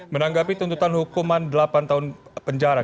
menanggapi tuntutan hukuman delapan tahun penjara